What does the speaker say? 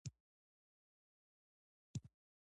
د کلیزو منظره د افغانستان د اقتصادي ودې لپاره ارزښت لري.